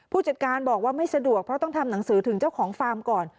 ผู้จัดการบอกว่าไม่สะดวกเพราะต้องทำหนังสือถึงเจ้าของฟาร์มก่อน